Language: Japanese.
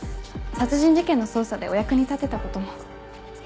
殺人事件の捜査でお役に立てたことも。